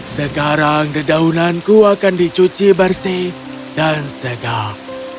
sekarang dedaunanku akan dicuci bersih dan segar